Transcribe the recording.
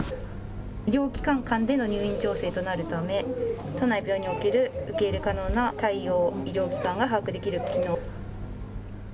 医療機関間での入院調整となるため、都内病院における受け入れ可能な対応医療機関が把握できる機能。